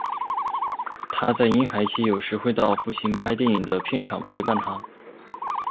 她在婴孩期有时会到父亲拍电影的片场陪伴他。